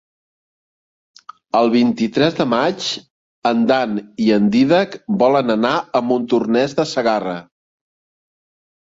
El vint-i-tres de maig en Dan i en Dídac volen anar a Montornès de Segarra.